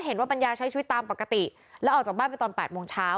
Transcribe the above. เห็นว่าปัญญาใช้ชีวิตตามปกติแล้วออกจากบ้านไปตอน๘โมงเช้า